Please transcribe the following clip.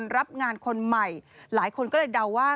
รับงานคนใหม่หลายคนก็เลยเดาว่า